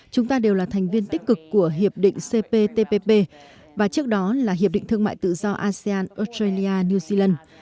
chúng ta đều là thành viên tích cực của hiệp định cptpp và trước đó là hiệp định thương mại tự do asean australia new zealand